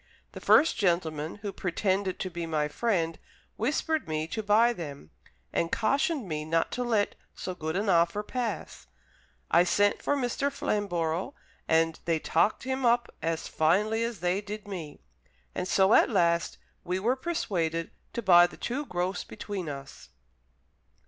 The first gentleman, who pretended to be my friend, whispered me to buy them, and cautioned me not to let so good an offer pass. I sent for Mr. Flamborough, and they talked him up as finely as they did me, and so at last we were persuaded to buy the two gross between us."